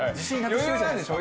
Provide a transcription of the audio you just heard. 余裕なんでしょ？